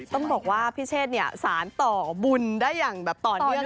ต้องบอกว่าพี่เชษสารต่อบุญได้อย่างแบบต่อเนื่อง